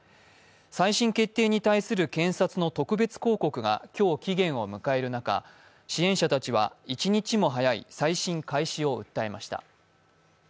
再審決定に対する検察の特別抗告が今日期限を迎える中、支援者たちは１日も早い再審開始を訴えました。